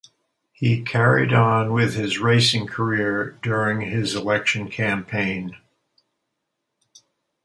He carried on with his racing career during his election campaign.